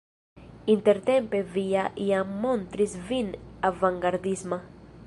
Intertempe vi ja jam montris vin avangardisma!